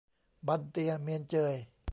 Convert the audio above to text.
บันเตียเมียนเจย